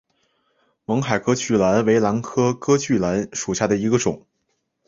勐海隔距兰为兰科隔距兰属下的一个种。